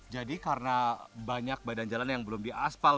jadi karena banyak badan jalan yang belum di asfal